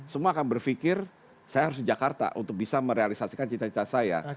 semua akan berpikir saya harus di jakarta untuk bisa merealisasikan cita cita saya